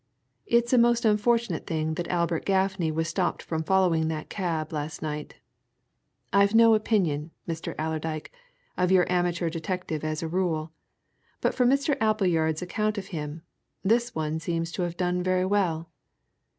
It's a most unfortunate thing that Albert Gaffney was stopped from following that cab, last night I've no opinion, Mr. Allerdyke, of your amateur detective as a rule, but from Mr. Appleyard's account of him, this one seems to have done very well.